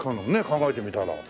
考えてみたら。